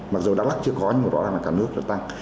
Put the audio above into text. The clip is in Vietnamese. mặc dù đà lạt chưa có nhưng mà đó là cả nước đã tăng